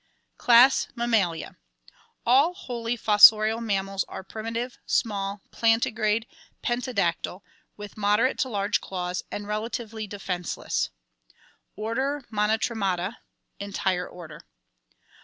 Class Mammalia ! (All wholly fossorial mammals are primitive, small, plantigrade, pen | tadactyl, with moderate to large claws, and relatively defenseless.) Order Monotremata. Entire order.